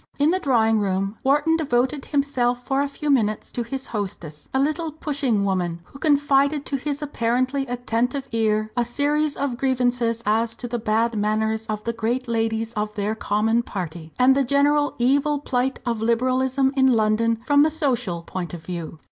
In the drawing room Wharton devoted himself for a few minutes to his hostess, a little pushing woman, who confided to his apparently attentive ear a series of grievances as to the bad manners of the great ladies of their common party, and the general evil plight of Liberalism in London from the social point of view.